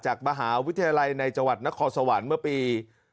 จากมหาวิทยาลัยในจังหวัดนครสวรรค์เมื่อปี๒๕๖